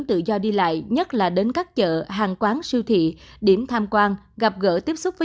tự do đi lại nhất là đến các chợ hàng quán siêu thị điểm tham quan gặp gỡ tiếp xúc với